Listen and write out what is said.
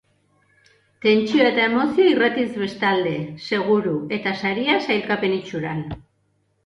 Tentsioa eta emozioa irratiz bestalde, seguru, eta saria sailkapen itxuran.